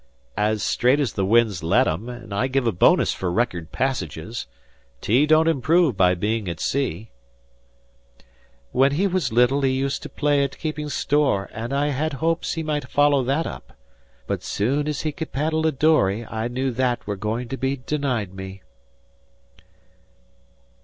"As straight as the winds let 'em, and I give a bonus for record passages. Tea don't improve by being at sea." "When he wuz little he used to play at keeping store, an' I had hopes he might follow that up. But soon's he could paddle a dory I knew that were goin' to be denied me."